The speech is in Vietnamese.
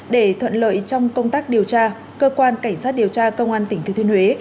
để thuận lợi trong công tác điều tra cơ quan cảnh sát điều tra công an tp huế